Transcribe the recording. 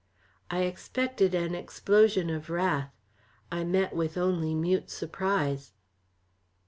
I expected an explosion of wrath; I met with only mute surprise.